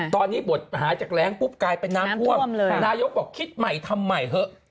ตอนนี้บทหายจากแรงปุ๊บกลายเป็นน้ำท่วมเลยนายกบอกคิดใหม่ทำใหม่เถอะ